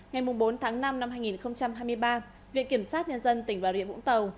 ngày bốn tháng năm năm hai nghìn hai mươi ba viện kiểm sát nhân dân tỉnh bà rịa vũng tàu